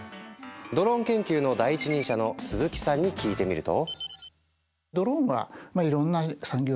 ドローン研究の第一人者の鈴木さんに聞いてみると。